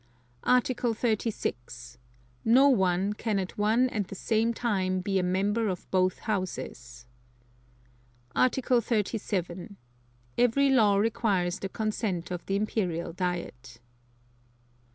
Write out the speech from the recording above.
Article 36. No one can at one and the same time be a Member of both Houses. Article 37. Every law requires the consent of the Imperial Diet.